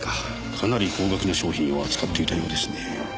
かなり高額の商品を扱っていたようですね。